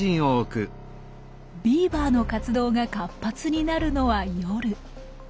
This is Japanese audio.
ビーバーの活動が活発になるのは夜。